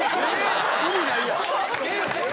意味ないやん！